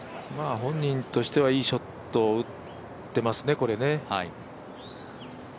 本人としてはいいショットを打ってますね、これね。